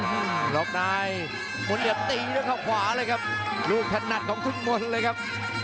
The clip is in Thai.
อู้ห้มล้อกนายคนเหยียบตีด้วยข้างขวาเลยครับรูปถนัดของทุ่งมนเลยครับ